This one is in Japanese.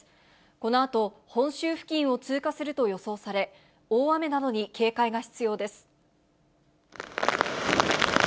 このあと本州付近を通過すると予想され、大雨などに警戒が必要です。